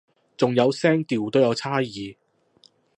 仲有聲調都有差異